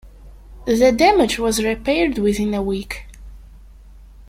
The damage was repaired within a week.